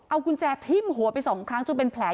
เอากุญแจทิ่มหัวไปสองครั้งจนเป็นแผล